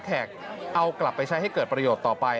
พวกหลานแล้วก็แขกเอากลับไปใช้ให้เกิดประโยชน์ต่อไป